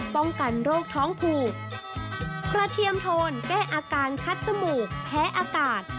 ป้องกันโรคท้องผูก